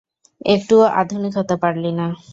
একটুও আধুনিক হতে পারলি না।